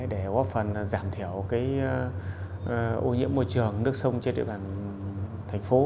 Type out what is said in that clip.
để góp phần giảm thiểu ô nhiễm môi trường nước sông trên địa bàn thành phố